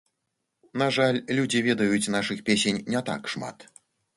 На жаль людзі ведаюць нашых песень не так шмат.